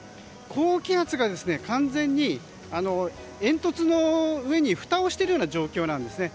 高気圧が完全に煙突の上にふたをしているような状況なんですね。